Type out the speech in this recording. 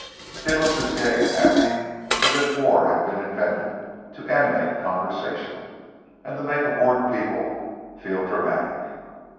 It looked as gay and happy as if war had been invented to animate conversation and make a bored people feel dramatic.